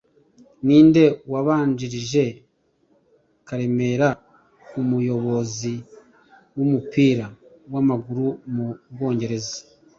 Ninde wabanjirije karemera nkumuyobozi wumupira wamaguru mu Bwongereza